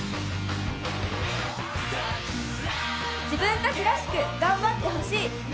自分たちらしく頑張ってほしい。